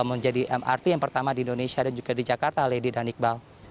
menjadi mrt yang pertama di indonesia dan juga di jakarta lady dan iqbal